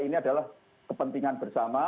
ini adalah kepentingan bersama